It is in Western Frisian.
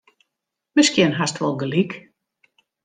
Miskien hast wol gelyk.